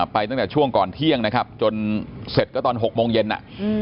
ไปตั้งแต่ช่วงก่อนเที่ยงนะครับจนเสร็จก็ตอน๖โมงเย็นอ่ะ